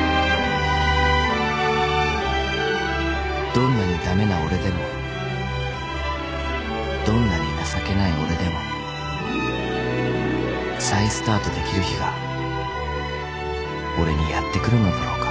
［どんなに駄目な俺でもどんなに情けない俺でも再スタートできる日が俺にやって来るのだろうか］